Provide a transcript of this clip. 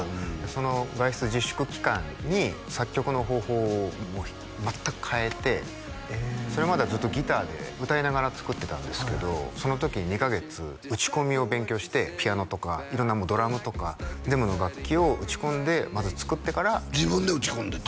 その外出自粛期間に作曲の方法をもう全く変えてそれまではずっとギターで歌いながら作ってたんですけどその時２カ月打ち込みを勉強してピアノとか色んなドラムとか全部の楽器を打ち込んでまず作ってから自分で打ち込んでった？